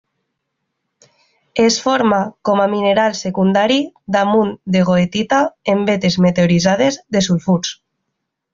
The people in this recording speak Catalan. Es forma com a mineral secundari damunt de goethita en vetes meteoritzades de sulfurs.